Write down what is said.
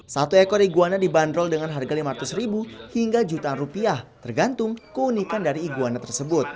satu ekor iguana dibanderol dengan harga lima ratus ribu hingga jutaan rupiah tergantung keunikan dari iguana tersebut